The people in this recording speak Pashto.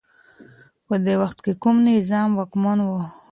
په دې وخت کي کوم نظام واکمن و؟